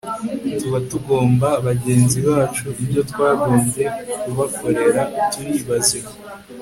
tuba tugomwe bagenzi bacu ibyo twagombye kubakorera turi bazima